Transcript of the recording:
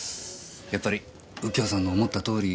やっぱり右京さんの思ったとおり。